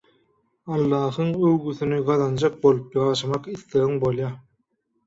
Allahyň öwgüsini gazanjak bolup ýaşamak islegiň bolýa